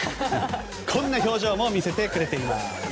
こんな表情も見せてくれています。